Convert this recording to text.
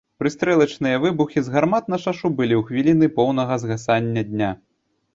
Прыстрэлачныя выбухі з гармат на шашу былі ў хвіліны поўнага згасання дня.